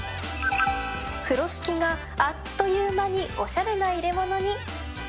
風呂敷があっという間におしゃれな入れ物に